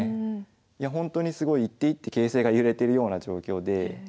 いやほんとにすごい一手一手形勢が揺れてるような状況で。